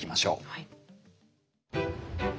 はい。